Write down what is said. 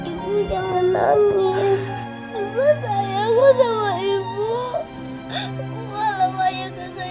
ibu jangan nangis saya mau sama ibu